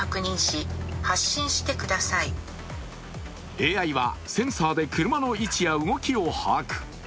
ＡＩはセンサーで車の位置や動きを把握。